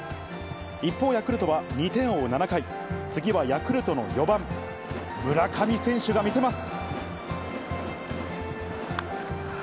一方、ヤクルトは２点を追う７回、次はヤクルトの４番、村上選手が見せます。